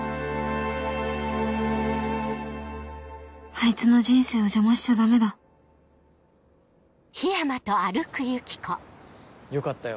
あいつの人生を邪魔しちゃダメだよかったよ